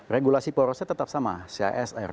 regulasi porosnya tetap sama csr